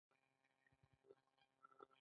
زه هم د خپل چاپېریال اغېزمن یم.